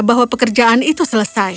bahwa pekerjaan itu selesai